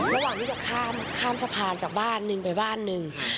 ระหว่างหนึ่งถยกข้ามสะพานจากบ้านนึงไปบ้านนึง